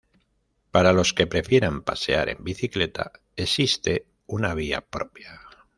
Para los que prefieran pasear en bicicleta existe una vía propia.